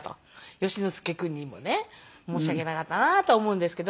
善之介君にもね申し訳なかったなとは思うんですけど。